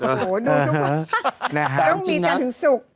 ต้องมีกันถึงสุข